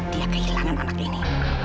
dia kehilangan anak ini